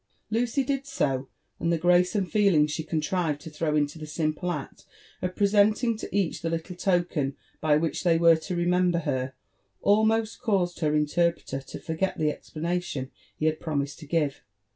Lucy did so ; and the grace and feeling she contrived to throw into the simple act of presenting (o each ihe Utile token by which ihey were to remember Iter, almost caused her interpreter to forget tbe expla nation he had promised to give.